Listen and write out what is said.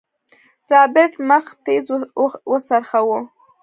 رابرټ مخ تېز وڅرخوه.